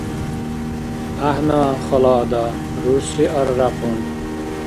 — ГӀяхӀна, хала ада, — рурси аррякьун.